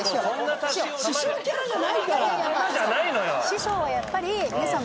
師匠はやっぱり皆さん